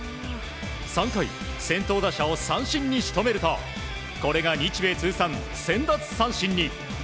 ３回、先頭打者を三振に仕留めるとこれが日米通算１０００奪三振に。